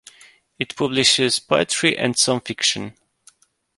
It publishes poetry and some fiction.